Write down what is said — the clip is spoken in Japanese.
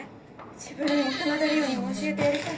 自分にも真田梨央にも教えてやりたい